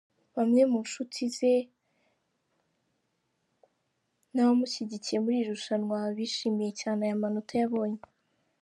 Bamwe mu nshuti ze n'abanushyigikiye muri iri rushanwa, bishimiye cyane aya manota yabonye.